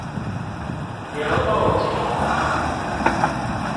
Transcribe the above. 牛鬥橋